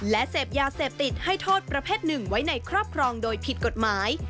และเสพยาเสพติดให้โทษประเภทหนึ่งไว้ในครอบครองโดยผิดกฎหมาย